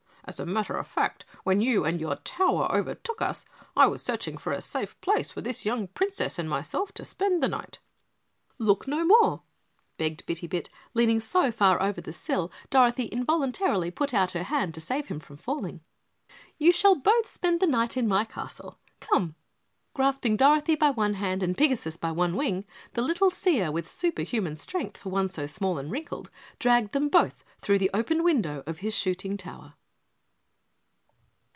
As a matter of fact, when you and your tower overtook us I was searching for a safe place for this young Princess and myself to spend the night." "Look no more!" begged Bitty Bit, leaning so far over the sill Dorothy involuntarily put out her hand to save him from falling. "You shall both spend the night in my castle. COME!" Grasping Dorothy by one hand and Pigasus by one wing, the little seer with superhuman strength for one so small and wrinkled dragged them both through the open window of his shooting tower.